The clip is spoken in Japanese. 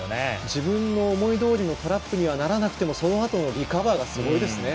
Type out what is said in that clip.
自分の思いどおりのトラップにならなくてもそのあとのリカバーがすごいですね。